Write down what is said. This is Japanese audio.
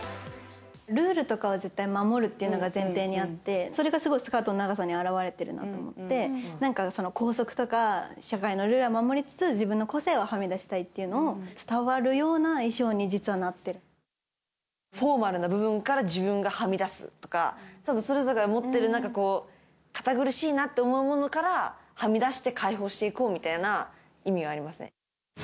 ルールとかは絶対守るっていうのが前提にあって、それがすごくスカートの長さに表れてるなと思って、なんか校則とか、社会のルールは守りつつ、自分の個性ははみ出したいなっていうのを、伝わるような衣装に、フォーマルな部分から自分がはみ出すとか、それぞれが持ってる、なんか堅苦しいなって思うものから、はみ出して解放していこうみたいな意味はありますね。